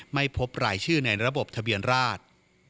ไม่พบรายชื่อในระบบทะเบียนราช